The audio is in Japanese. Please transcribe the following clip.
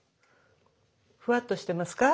ふわっとしてますか？